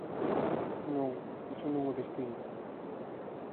Non, iso non o distingue.